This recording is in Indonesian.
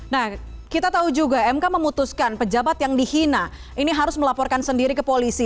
nah kita tahu juga mk memutuskan pejabat yang dihina ini harus melaporkan sendiri ke polisi